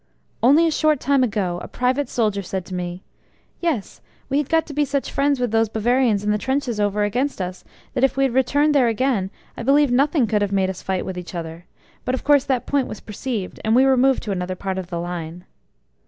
Only a short time ago a private soldier said to me: "Yes, we had got to be such friends with those Bavarians in the trenches over against us that if we had returned there again I believe nothing could have made us fight with each other; but of course that point was perceived and we were moved to another part of the Line."